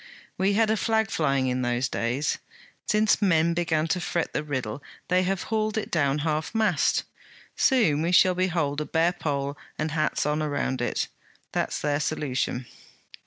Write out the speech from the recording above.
We had a flag flying in those days. Since men began to fret the riddle, they have hauled it down half mast. Soon we shall behold a bare pole and hats on around it. That is their solution.'